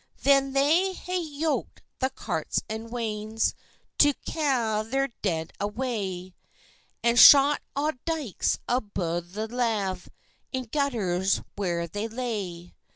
Then they ha'e yoked the carts and wains, To ca' their dead away, And shot auld dykes abune the lave, In gutters where they lay.